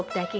mak cari kue